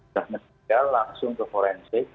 sudah mesej langsung ke forensik